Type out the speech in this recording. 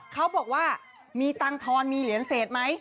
เขาบอกว่ามีตังธรรมมีเหรียญเสดไหม